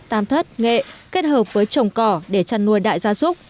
tam thất nghệ kết hợp với trồng cỏ để chăn nuôi đại gia súc